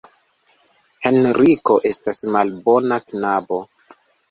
Henriko estas malbona knabo.